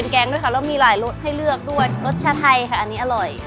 แก้ร้อนในช่วงนี้ด้วย